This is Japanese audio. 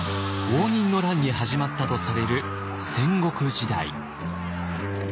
応仁の乱に始まったとされる戦国時代。